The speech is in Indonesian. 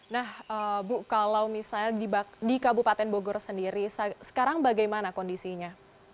nah bu kalau misalnya di kabupaten bogor sendiri sekarang bagaimana kondisinya